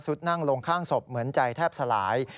นั่งลงข้างศพเหมือนใจแทบสลาย